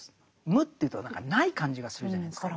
無というと何かない感じがするじゃないですか。